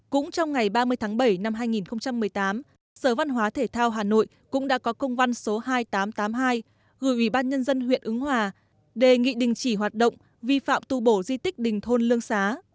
cũng trong ngày ba mươi tháng bảy năm hai nghìn một mươi tám sở văn hóa thể thao hà nội cũng đã có công văn số hai nghìn tám trăm tám mươi hai gửi ủy ban nhân dân huyện ứng hòa đề nghị đình chỉ hoạt động vi phạm tu bổ di tích đình thôn lương xá